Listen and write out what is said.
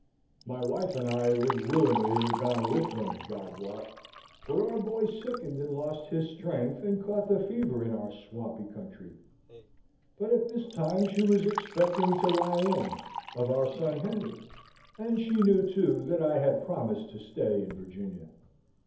My wife and I would willingly have gone with them, God wot, for our boy sickened and lost his strength, and caught the fever in our swampy country; but at this time she was expecting to lie in (of our son Henry), and she knew, too, that I had promised to stay in Virginia.